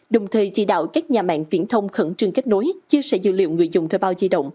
đồng thời chỉ đạo các nhà mạng viễn thông khẩn trương kết nối chia sẻ dữ liệu người dùng thuê bao di động